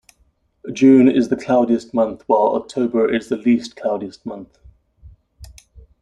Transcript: June is the cloudiest month while October is the least cloudiest month.